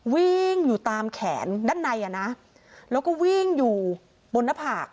วิ่งอยู่ตามแขนด้านในอ่ะนะแล้วก็วิ่งอยู่บนหน้าผาก